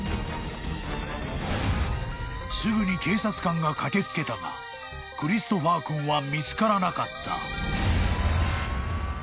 ［すぐに警察官が駆け付けたがクリストファー君は見つからなかった］